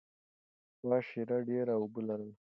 پخوا شیره ډېره اوبه لرله.